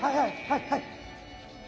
はいはい。